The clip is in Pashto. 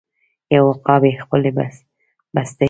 یو عقاب یې خپلې بسته کې